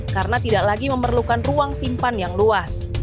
karena tidak lagi memerlukan ruang simpan yang luas